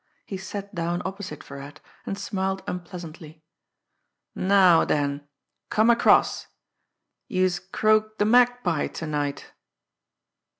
He sat down opposite Virat, and smiled unpleasantly. "Now den, come across! Youse croaked de Magpie ter night!"